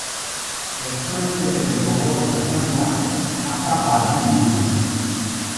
Exoeskeleto gogorrez estalita, atzapar bi ditu.